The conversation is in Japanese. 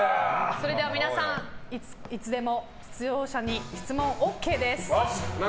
それでは皆さんいつでも出場者に質問ＯＫです。